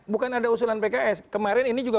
bukan ada usulan pks kemarin ini juga